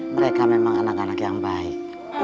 mereka memang anak anak yang baik